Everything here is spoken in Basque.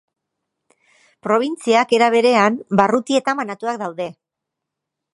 Probintziak era, berean, barrutietan banatuak daude.